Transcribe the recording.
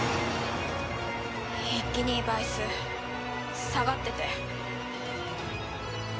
一輝兄バイス下がってて。